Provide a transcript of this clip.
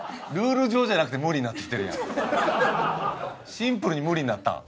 シンプルに無理になったん？